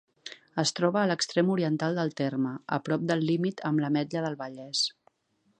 Es troba a l'extrem oriental del terme, a prop del límit amb l'Ametlla del Vallès.